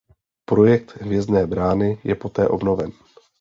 Projekt hvězdné brány je poté obnoven.